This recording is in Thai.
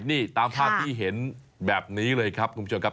นี่ตามภาพที่เห็นแบบนี้เลยครับคุณผู้ชมครับ